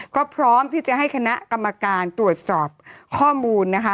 ก็พร้อมที่จะให้คณะกรรมการตรวจสอบข้อมูลนะคะ